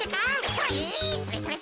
それ！